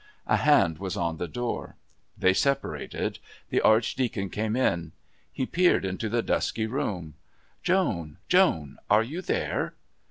A hand was on the door. They separated. The Archdeacon came in. He peered into the dusky room. "Joan! Joan! Are you there?"